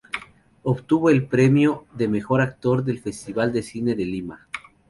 Obtuvo el premio de Mejor Actor del Festival de Cine de Lima.